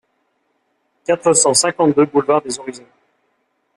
quatre cent cinquante-deux boulevard des Horizons